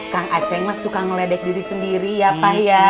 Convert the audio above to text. kang aceh suka meledek diri sendiri ya pak ya